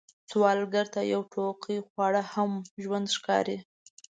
سوالګر ته یو ټوقی خواړه هم ژوند ښکاري